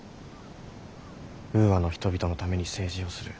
ウーアの人々のために政治をする。